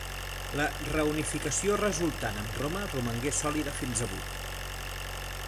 La reunificació resultant amb Roma romangué sòlida fins avui.